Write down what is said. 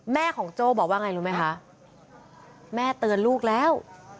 แม่ของโจ้บอกว่าไงรู้ไหมคะแม่เตือนลูกแล้ว